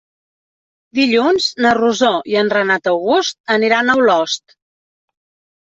Dilluns na Rosó i en Renat August aniran a Olost.